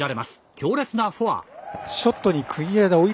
強烈なフォア。